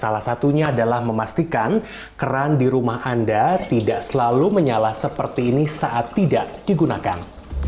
salah satunya adalah memastikan keran di rumah anda tidak selalu menyala seperti ini saat tidak digunakan